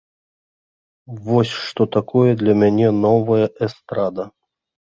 Вось што такое для мяне новая эстрада.